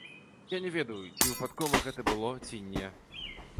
Я не ведаю, ці выпадкова гэта было, ці не.